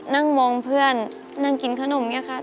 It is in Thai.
นั่งมองเพื่อนนั่งกินขนมอย่างนี้ค่ะ